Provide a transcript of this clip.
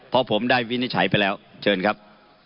เพราะผมได้วินิจฉัยไปแล้วเชิญครับ